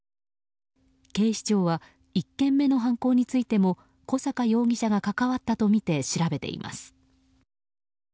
警視庁は１件目の犯行についても小阪容疑者が関わったとみて調べています。